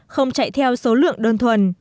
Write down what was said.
không chạy theo số lượng đơn thuần